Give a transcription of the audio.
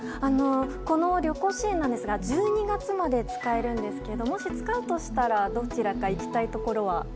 この旅行支援なんですが１２月まで使えるんですけどもし使うとしたらどちらか行きたいところは？